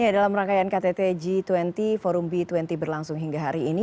dalam rangkaian ktt g dua puluh forum b dua puluh berlangsung hingga hari ini